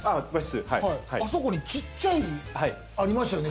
あそこに小さいありましたよね